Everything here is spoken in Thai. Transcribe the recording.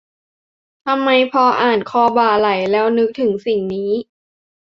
ทำไมพออ่าน "คอบ่าไหล่" แล้วนึกถึงสิ่งนี้